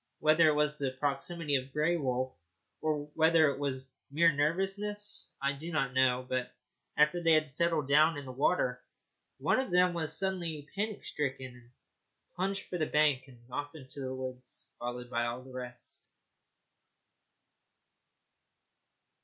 Whether it was the proximity of Grey Wolf or whether it was mere nervousness I do not know, but after they had settled down in the water one of them was suddenly panic stricken, and plunged for the bank and off into the woods, followed by all the rest.